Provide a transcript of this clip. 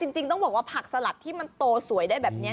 จริงต้องบอกว่าผักสลัดที่มันโตสวยได้แบบนี้